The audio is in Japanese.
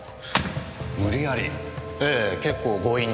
ええ結構強引に。